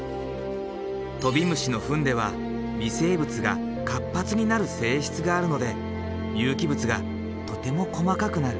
トビムシの糞では微生物が活発になる性質があるので有機物がとても細かくなる。